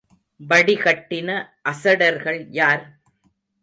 வடிகட்டின அசடர்கள் யார்?